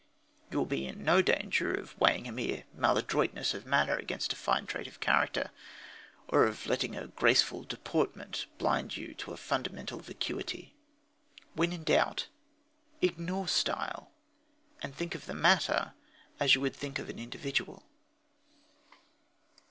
You will be in no danger of weighing a mere maladroitness of manner against a fine trait of character, or of letting a graceful deportment blind you to a fundamental vacuity. When in doubt, ignore style, and think of the matter as you would think of an individual.